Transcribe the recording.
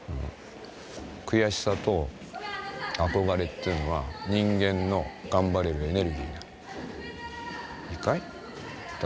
悔しさと憧れっていうのは、人間の頑張れるエネルギーだ。